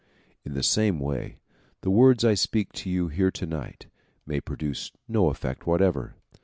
In the same way, the words I speak to you here tonight may produce no effect whatever.